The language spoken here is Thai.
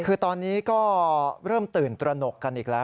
คือตอนนี้ก็เริ่มตื่นตระหนกกันอีกแล้ว